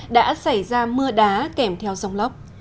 đã xảy ra mưa đá kèm theo rông lóc